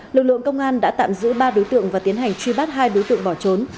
lực lượng công an đã tạm giữ ba đối tượng và tiến hành truy bắt hai đối tượng bỏ trốn